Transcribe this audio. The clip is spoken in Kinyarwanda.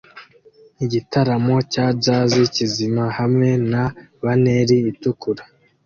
Igitaramo cya jazz kizima hamwe na banneri itukura